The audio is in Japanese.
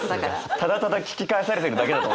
ただただ聞き返されてるだけだと。